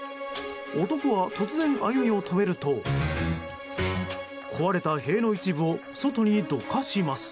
男は突然歩みを止めると壊れた塀の一部を外にどかします。